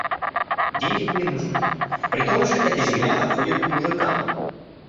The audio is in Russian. Деньги были нужны; притом же эта земля отходит к мужикам.